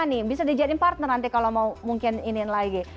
nih bisa dijadiin partner nanti kalau mau mungkin iniin lagi